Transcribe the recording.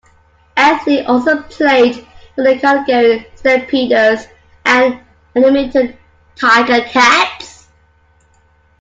Anthony also played for the Calgary Stampeders and Hamilton Tiger-Cats.